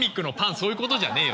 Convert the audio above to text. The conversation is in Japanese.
そういうことじゃねえよ。